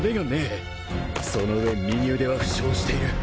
その上右腕は負傷している